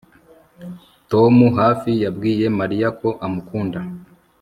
Tom hafi yabwiye Mariya ko amukunda